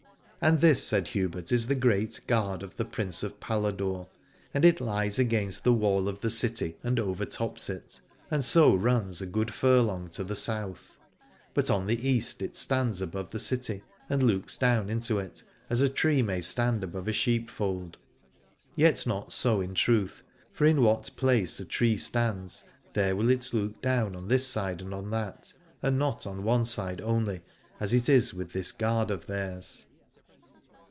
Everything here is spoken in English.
And this, said Hubert, is the Great Gard of the Prince of Paladore, and it lies against the wall of the city and overtops it, and so runs a good furlong to the south : but on the east it stands above the city and looks down into it, as a tree may stand above a sheep fold. Yet not so in truth, for in what place a tree stands, there will it look down on this side and on that, and not on one side only, as it is with this Gard of theirs.